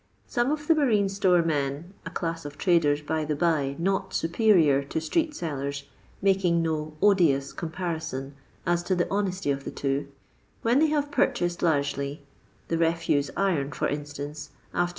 Some of the marine store men (a class of traders, by the by, not superior to street sellers, making no "odious'' comparison as to the honesty of the two), when they have purchased largely — the refuse iron for instance alter